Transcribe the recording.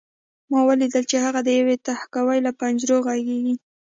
ما ولیدل چې هغه د یوې تهکوي له پنجرو غږېږي